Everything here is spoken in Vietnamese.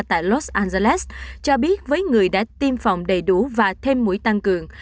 tại los angeles cho biết với người đã tiêm phòng đầy đủ và thêm mũi tăng cường